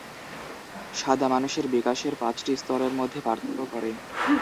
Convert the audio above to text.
সাদা মানুষের বিকাশের পাঁচটি স্তরের মধ্যে পার্থক্য করে।